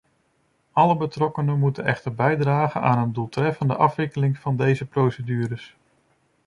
Alle betrokkenen moeten echter bijdragen aan een doeltreffende afwikkeling van deze procedures.